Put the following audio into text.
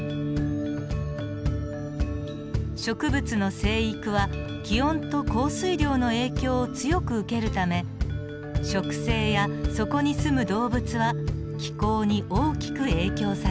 植物の生育は気温と降水量の影響を強く受けるため植生やそこに住む動物は気候に大きく影響されます。